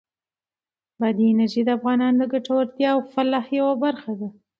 بادي انرژي د افغانانو د ګټورتیا او فلاح یوه برخه ده.